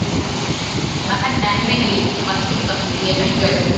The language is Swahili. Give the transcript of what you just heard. baada ya meli kupasuka abiria wengi walikuwa ndani